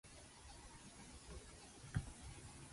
早う文章溜めて